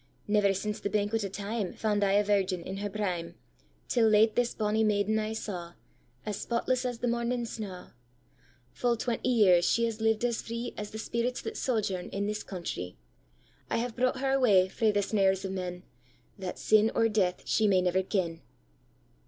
Never, since the banquet of time, Found I a virgin in her prime, Till late this bonnie maiden I sawAs spotless as the morning snaw:Full twenty years she has lived as freeAs the spirits that sojourn in this countrye:I have brought her away frae the snares of men, That sin or death she never may ken.